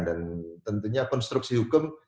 dan tentunya konstruksi hukum